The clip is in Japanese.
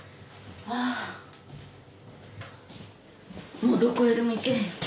もうどこへでも行け。